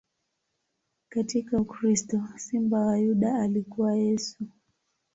Katika ukristo, Simba wa Yuda alikuwa Yesu.